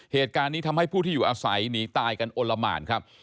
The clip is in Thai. เหตุการณ์นี้ทำให้ผู้ที่อยู่อาศัยหนีตายกันโอละหมานครับ